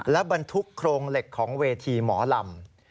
และบรรทุกโครงเหล็กของเวทีหมอลำ